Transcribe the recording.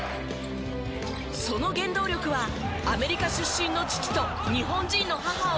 その原動力はアメリカ出身の父と日本人の母を持つ。